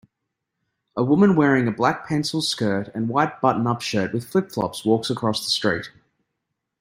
A woman wearing a black pencil skirt and white buttonup shirt with flipflops walks across the street.